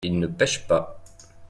il ne pêche pas.